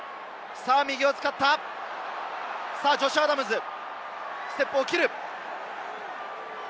右を使った、ジョシュ・アダムズ、ステップを切る。